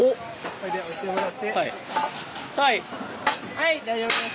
はい大丈夫です。